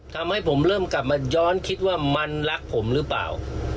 ทำให้ผมเริ่มกลับมาย้อนคิดว่ามันรักผมหรือเปล่า